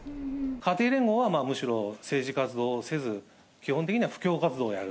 家庭連合はむしろ政治活動をせず、基本的には布教活動をやる。